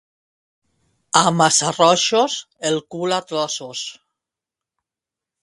A Massarrojos, el cul a trossos.